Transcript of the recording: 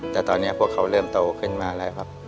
แต่ตอนนี้พวกเขาเริ่มโตขึ้นมาแล้วครับ